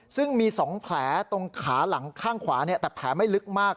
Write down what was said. ซึ่งมี๒แผลตรงขาหลังข้างขวาแต่แผลไม่ลึกมาก